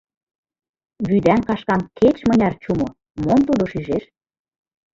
Вӱдан кашкам кеч-мыняр чумо, мом тудо шижеш?